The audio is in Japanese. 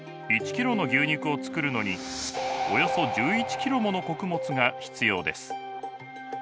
１ｋｇの牛肉を作るのにおよそ１１ｋｇもの穀物が必要です。